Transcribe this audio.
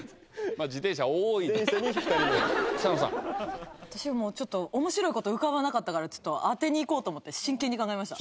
あたしもちょっとおもしろいこと浮かばなかったからちょっと当てにいこうと思って真剣に考えました。